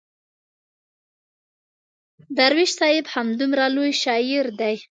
درویش صاحب همدومره لوی شاعر دی.